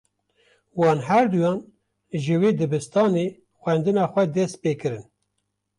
Wan her duyan, ji wê dibistanê xwendina xwe dest pê kirin